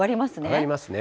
上がりますね。